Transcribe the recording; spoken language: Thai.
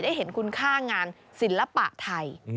เห็นคุณค่างานศิลปะไทย